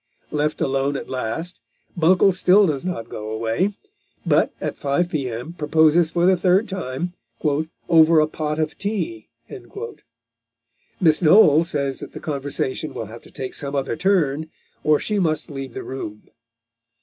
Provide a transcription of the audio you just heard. Left alone at last, Buncle still does not go away, but at 5 P.M. proposes for the third time, "over a pot of tea." Miss Noel says that the conversation will have to take some other turn, or she must leave the room.